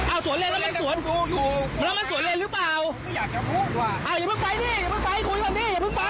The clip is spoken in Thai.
อ้าวอย่าเพิ่งไปนี่อย่าเพิ่งไปคุยกันดิอย่าเพิ่งไป